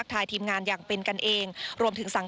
มารอตูนตรวรรมากก็มารอเราเอง